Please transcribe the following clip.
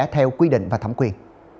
theo quy định và thẩm quyền